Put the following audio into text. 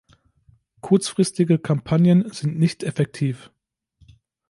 Kurzfristige Kampagnen sind nicht effektiv.